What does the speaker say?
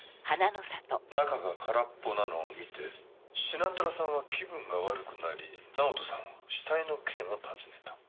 中が空っぽなのを見てシナトラさんは気分が悪くなり直人さんが死体の件を尋ねた。